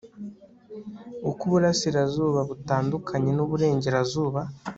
uko uburasirazuba butandukanye n'uburengerazuba